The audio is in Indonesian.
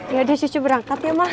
yaudah cucu berangkat ya mak